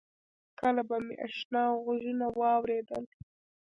کله به مې آشنا غږونه واورېدل.